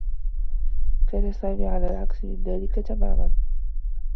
كان سامي على العكس من ذلك تمامًا.